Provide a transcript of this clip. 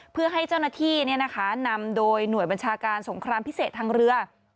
เพื่อให้เจ้าหน้าที่นำโดยหน่วยบัญชาการสงครามพิเศษทางเรือ